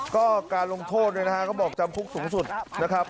ก็การลงโทษเนี่ยนะฮะก็บอกจำคุกสูงสุดนะครับ